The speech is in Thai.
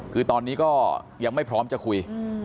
คือตอนนี้ก็ยังไม่พร้อมจะคุย